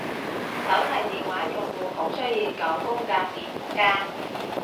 手提電話用戶好需要九宮格鍵盤㗎